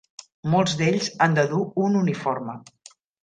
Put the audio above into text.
Molts d'ells han de dur un uniforme.